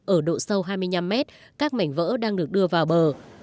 ở độ sâu hai mươi năm mét các mảnh vỡ đang được đưa vào bờ